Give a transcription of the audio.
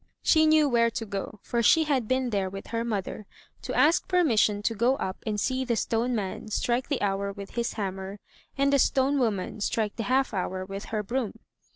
She knew where to go, for she had been there with her mother to ask permission to go up and see the stone man strike the hour with his hammer, and the stone woman strike the half hour with her broom.